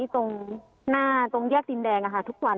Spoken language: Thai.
ตรงแยกดินแดงทุกวัน